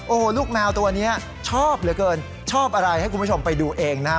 โอ้โหลูกแมวตัวนี้ชอบเหลือเกินชอบอะไรให้คุณผู้ชมไปดูเองนะฮะ